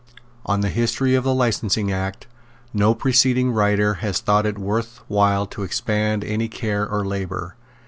On the history of the Licensing Act no preceding writer has thought it worth while to expend any care or labour.